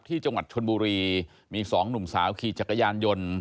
ที่จังหวัดชนบุรีมีสองหนุ่มสาวขี่จักรยานยนต์